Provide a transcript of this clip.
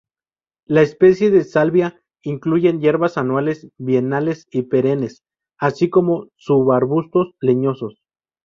Las especies de "Salvia" incluyen hierbas anuales, bienales y perennes, así como subarbustos leñosos.